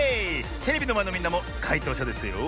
テレビのまえのみんなもかいとうしゃですよ。